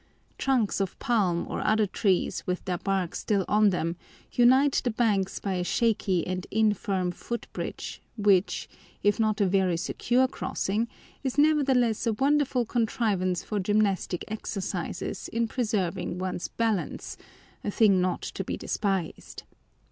Trunks of palm or other trees with their bark still on them unite the banks by a shaky and infirm foot bridge which, if not a very secure crossing, is nevertheless a wonderful contrivance for gymnastic exercises in preserving one's balance, a thing not to be despised.